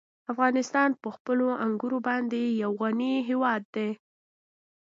افغانستان په خپلو انګورو باندې یو غني هېواد دی.